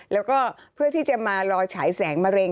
แล้วก็เพื่อที่จะมารอฉายแสงมะเร็